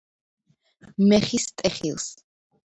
მეხის ტეხილს